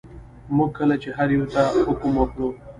موږ کله چې هر یوه ته حکم وکړو.